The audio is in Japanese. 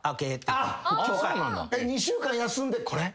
２週間休んでこれ？